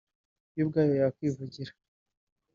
yo ubwayo yakwivugira